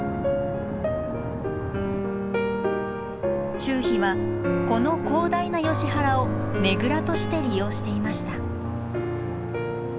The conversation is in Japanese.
チュウヒはこの広大なヨシ原をねぐらとして利用していました。